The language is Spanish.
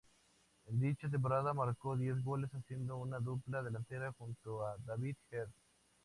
En dicha temporada marcó diez goles, haciendo una dupla delantera junto a David Herd.